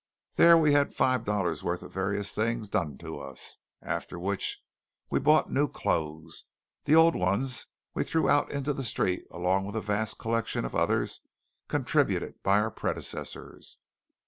There we had five dollars' worth of various things done to us; after which we bought new clothes. The old ones we threw out into the street along with a vast collection of others contributed by our predecessors.